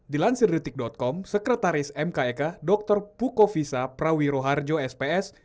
di lansirdetik com sekretaris mkek dokter pukovisa prawiroharjo sps